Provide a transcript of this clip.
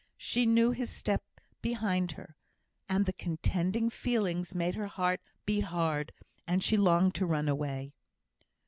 She knew his step behind her, and the contending feelings made her heart beat hard, and she longed to run away.